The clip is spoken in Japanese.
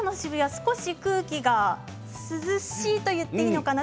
少し空気が涼しい、と言っていいのかな。